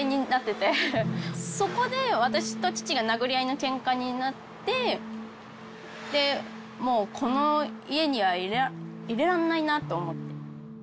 そこで私と父が殴り合いのケンカになってでもうこの家にはいれらんないなと思って。